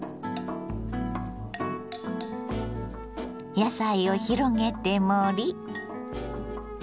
野菜を広げて盛り。